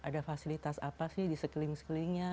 ada fasilitas apa sih di sekeliling sekelilingnya